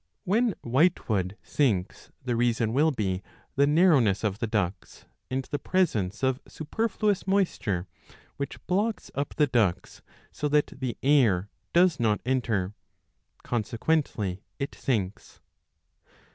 When white wood sinks the reason will be the narrowness of the ducts and the presence of superfluous moisture, which blocks up the ducts so that the air does not enter ; consequently it sinks.